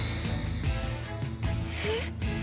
えっ？